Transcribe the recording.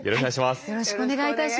よろしくお願いします。